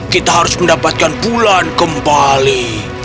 kita harus mendapatkan bulan kembali